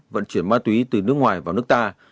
vận chuyển ma túy từ nước ngoài vào nước ta